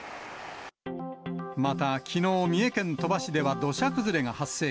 また、きのう、三重県鳥羽市では土砂崩れが発生。